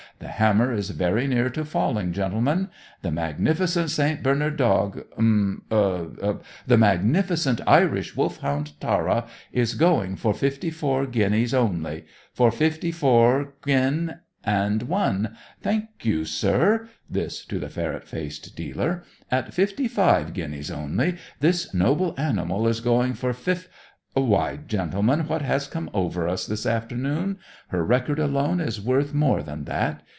"The hammer is very near to falling, gentlemen. The magnificent St. Bernard dog um er The magnificent Irish Wolfhound Tara is going for fifty four guineas only; for fifty four guin and one Thank you, sir" this to the ferret faced dealer "at fifty five guineas only, this noble animal is going for fif Why, gentlemen, what has come over us this afternoon? Her record alone is worth more than that.